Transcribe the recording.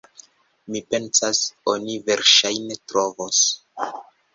Mi pensas, oni verŝajne trovos.